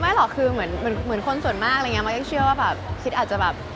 ไม่หรอกคือเหมือนคนส่วนมากคิดว่าแบบคิดอาจจะแบบ